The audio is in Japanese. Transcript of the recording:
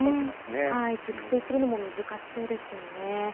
熟睡するのも難しそうですよね。